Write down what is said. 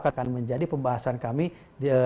akan menjadi pembahasan kami di